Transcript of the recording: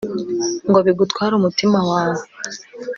ngo bigutware umutima wawe